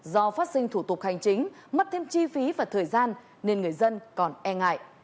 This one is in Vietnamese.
do phát sinh thủ tục hành chính mất thêm chi phí và thời gian nên người dân còn e ngại